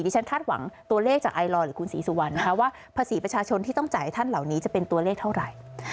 ที่ฉันคาดหวังตัวเลขจากไอลอร์หรือคุณศรีสุวรรณนะคะว่าภาษีประชาชนที่ต้องจ่ายให้ท่านเหล่านี้จะเป็นตัวเลขเท่าไหร่